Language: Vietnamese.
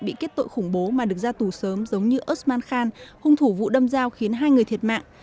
bị kết tội khủng bố mà được ra tù sớm giống như osman khan hung thủ vụ đâm dao khiến hai người thiệt mạng